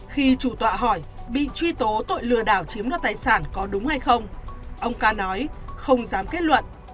khi chủ tọa hỏi bị truy tố tội lừa đảo chiếm đoạt tài sản có đúng hay không ông ca nói không dám kết luận